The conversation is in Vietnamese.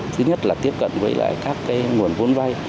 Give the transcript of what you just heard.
thứ nhất là tiếp cận với lại các nguồn vốn vay